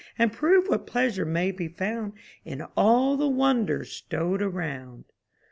And prove what pleasure may be found In all the wonders stowed around."